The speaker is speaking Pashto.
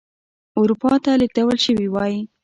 اروپا ته لېږدول شوي وای.